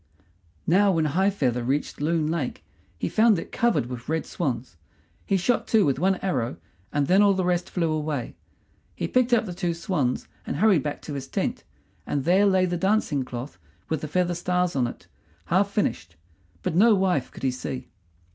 Now when High feather reached Loon Lake he found it covered with red swans. He shot two with one arrow, and then all the rest flew away. He picked up the two swans and hurried back to his tent, and there lay the dancing cloth with the feather stars on it half finished, but no wife could he see.